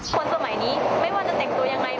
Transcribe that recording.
คนสมัยนี้ไม่ว่าจะแต่งตัวยังไง